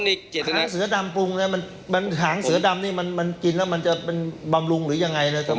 มีการที่จะพยายามติดศิลป์บ่นเจ้าพระงานนะครับ